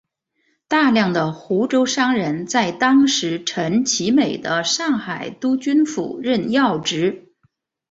大量的湖州商人在当时陈其美的上海督军府任要职。